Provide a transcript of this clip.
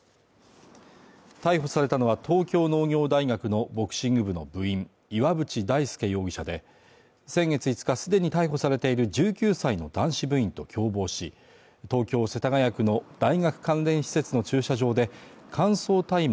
逮捕されたのは東京農業大学のボクシング部の部員岩渕大輔容疑者で先月５日すでに逮捕されている１９歳の男子部員と共謀し東京・世田谷区の大学関連施設の駐車場で乾燥大麻